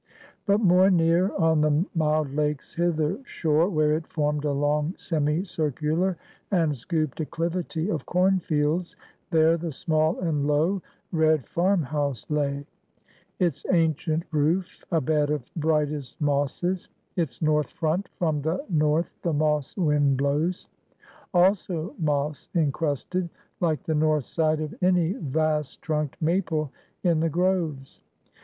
But more near, on the mild lake's hither shore, where it formed a long semi circular and scooped acclivity of corn fields, there the small and low red farm house lay; its ancient roof a bed of brightest mosses; its north front (from the north the moss wind blows), also moss incrusted, like the north side of any vast trunked maple in the groves.